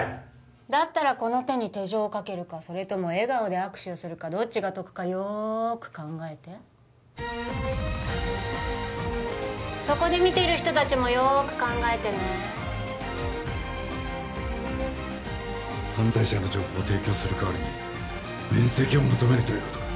だったらこの手に手錠をかけるかそれとも笑顔で握手をするかどっちが得かよく考えてそこで見ている人たちもよく考えてね犯罪者の情報を提供する代わりに免責を求めるということか？